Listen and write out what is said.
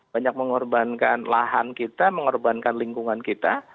banyak mengorbankan lahan kita mengorbankan lingkungan kita